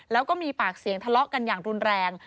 แล้วก็มีปากเสียงทะเลาะกันอย่างรุนแรง